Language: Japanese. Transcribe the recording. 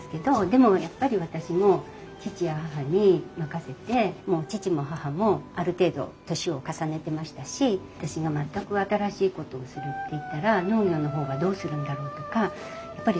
でもやっぱり私も義父や義母に任せて義父も義母もある程度歳を重ねてましたし私が全く新しいことをするって言ったら農業の方はどうするんだろうとかやっぱりすごく迷ったんですね。